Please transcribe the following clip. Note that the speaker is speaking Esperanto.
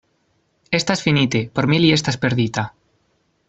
Estas finite: por mi li estas perdita!